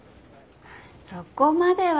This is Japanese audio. そこまでは。